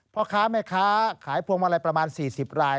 พ่อค้าแม่ค้าขายพวงมาลัยประมาณ๔๐ราย